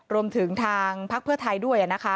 รวมถึงทางพักเพื่อไทยด้วยนะคะ